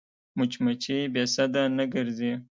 مچمچۍ بې سده نه ګرځي